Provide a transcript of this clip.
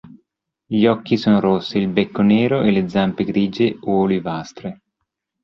Gli occhi sono rossi, il becco nero e le zampe grigie o olivastre.